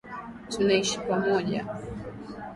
Tunaishi pamoja